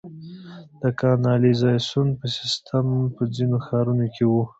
د کانالیزاسیون سیستم په ځینو ښارونو کې و